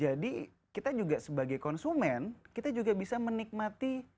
jadi kita juga sebagai konsumen kita juga bisa menikmati